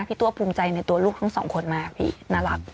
ตัวภูมิใจในตัวลูกทั้งสองคนมากพี่น่ารัก